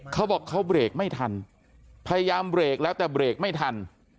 เขาบอกเขาเบรกไม่ทันพยายามเบรกแล้วแต่เบรกไม่ทัน